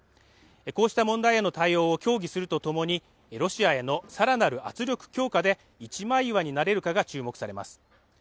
こうした問題への対応を協議するとともに、ロシアへの更なる圧力強化で一枚岩になれるかが注目されます。